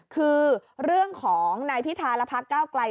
คือเรื่องของนายพิธาและพักเก้าไกล